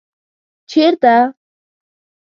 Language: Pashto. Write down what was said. ـ چېرته ؟